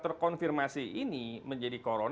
terkonfirmasi ini menjadi koronasi